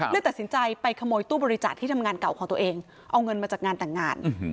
เลยตัดสินใจไปขโมยตู้บริจาคที่ทำงานเก่าของตัวเองเอาเงินมาจากงานแต่งงาน